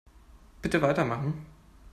Bitte weitermachen.